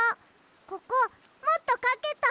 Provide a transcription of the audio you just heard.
ここもっとかけた。